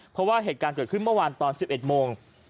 เพราะว่าเหตุการณ์เกิดขึ้นเมื่อวานตอน๑๑โมง